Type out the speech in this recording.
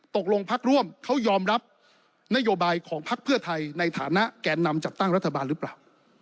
ตกลงพักร่วมเขายอมรับนโยบายของพักเพื่อไทยในฐานะแก่นำจัดตั้งรัฐบาลหรือเปล่า